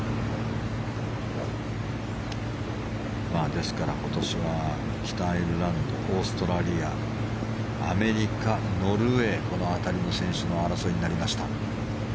ですから今年は北アイルランドオーストラリアアメリカ、ノルウェーこの辺りの選手の争いになりました。